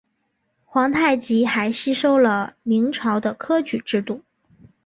皇太极还吸收了明朝的科举制度。